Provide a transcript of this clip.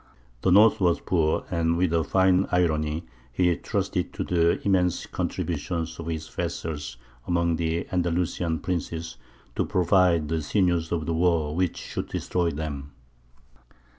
The north was poor, and with a fine irony he trusted to the immense contributions of his vassals among the Andalusian princes to provide the sinews of the war which should destroy them.